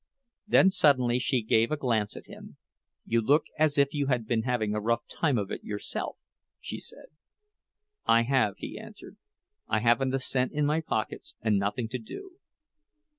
Then suddenly she gave a glance at him. "You look as if you had been having a rough time of it yourself," she said. "I have," he answered. "I haven't a cent in my pockets, and nothing to do."